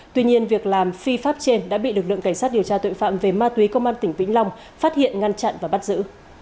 tuy nhiên việc làm phi pháp trên đã bị lực lượng cảnh sát điều tra tội phạm về ma túy công an tỉnh vĩnh long phát hiện ngăn chặn và bắt giữ